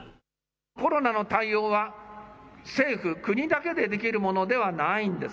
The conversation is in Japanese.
コロナ対応は、政府・国だけでできるものではないんです。